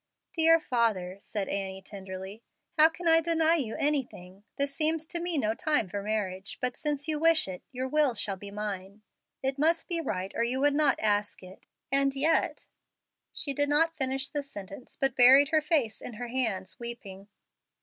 "Dear father," said Annie, tenderly, "how can I deny you anything! This seems to me no time for marriage, but, since you wish it, your will shall be mine. It must be right or you would not ask it; and yet " She did not finish the sentence, but buried her face in her hands, weeping.